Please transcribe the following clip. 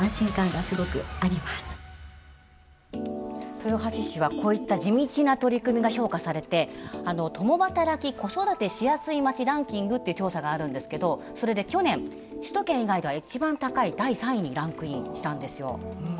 豊橋市はこういった地道な取り組みが評価されて共働き子育てしやすい街ランキングって調査があるんですけどそれで去年首都圏以外では一番高い第３位にランクインしたんですよ。